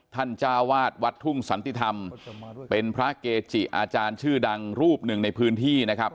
จ้าวาดวัดทุ่งสันติธรรมเป็นพระเกจิอาจารย์ชื่อดังรูปหนึ่งในพื้นที่นะครับ